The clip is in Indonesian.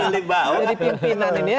dari pimpinan ini ya